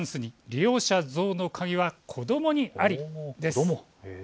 利用者増の鍵は子どもにありです。